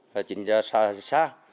là trinh ra xa xa